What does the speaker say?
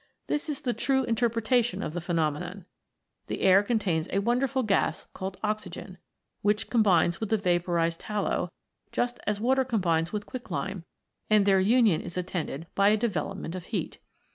This is the true interpretation of the phenomenon. The air contains a wonderful gas called oxygen, which combines with the vaporized tallow, just as water combines with quicklime, and their union is attended by a development of heat.